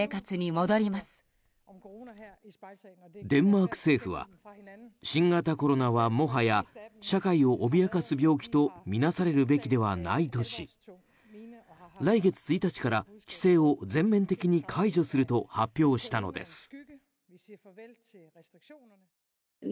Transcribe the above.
デンマーク政府は新型コロナはもはや社会を脅かす病気とみなされるべきではないとし来月１日から規制を全面的に解除すると発表したのです。